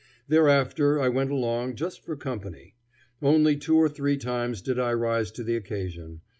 Thereafter I went along just for company. Only two or three times did I rise to the occasion.